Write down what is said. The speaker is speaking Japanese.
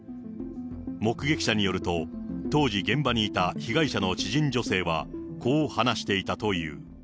目撃者によると、当時現場にいた被害者の知人女性は、こう話していたという。